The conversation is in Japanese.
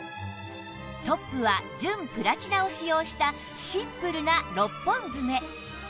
トップは純プラチナを使用したシンプルな６本爪